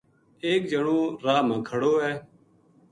ایک جنو راہ ما کھڑو ہے